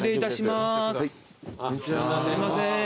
すいません。